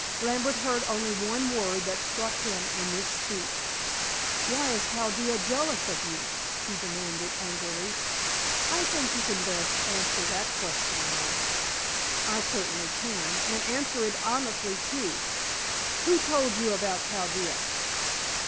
Lambert heard only one word that struck him in this speech. "Why is Chaldea jealous of you?" he demanded angrily. "I think you can best answer that question, Noel." "I certainly can, and answer it honestly, too. Who told you about Chaldea?"